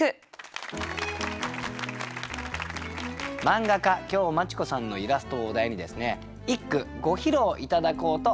漫画家今日マチ子さんのイラストをお題に一句ご披露頂こうと思います。